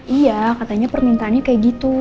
iya katanya permintaannya kayak gitu